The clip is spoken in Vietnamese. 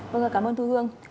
vâng ạ cảm ơn thu hương